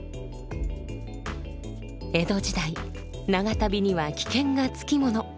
江戸時代長旅には危険が付き物。